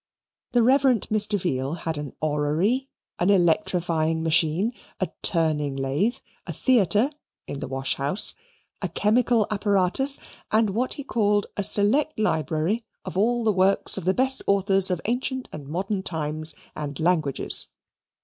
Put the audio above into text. The Rev. Mr. Veal had an orrery, an electrifying machine, a turning lathe, a theatre (in the wash house), a chemical apparatus, and what he called a select library of all the works of the best authors of ancient and modern times and languages.